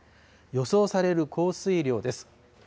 予想される降水量です。